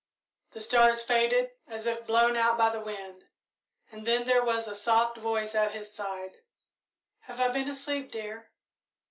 The stars faded, as if blown out by the wind, and then there was a soft voice at his side: "Have I been asleep, dear?"